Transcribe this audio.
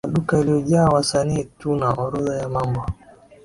maduka yaliyojaa wasanii Tuna orodha ya mambo